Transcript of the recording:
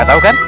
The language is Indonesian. gak tau kan